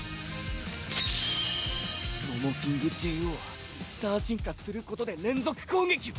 モモキングＪＯはスター進化することで連続攻撃を！？